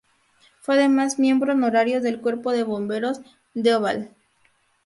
Fue además miembro honorario del Cuerpo de Bomberos de Ovalle.